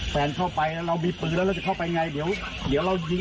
แฟนเข้าไปแล้วเรามีปืนแล้วเราจะเข้าไปไงเดี๋ยวเรายิง